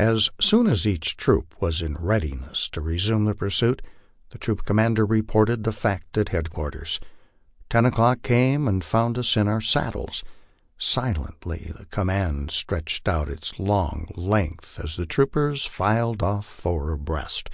As soon as each troop was in readiness to resume the pursuit, the troop commander reported the fact at headquarters. Ten o'clock came and found us in our saddles. Silently the command stretched out its long length as the troopers filed off four abreast.